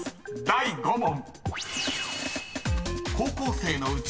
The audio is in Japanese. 第５問］